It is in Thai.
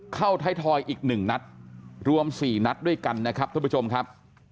ท้ายทอยอีก๑นัดรวม๔นัดด้วยกันนะครับท่านผู้ชมครับ